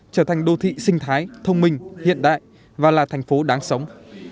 trở thành đô thị sinh thái thông minh hiện đại và là thành phố đáng sống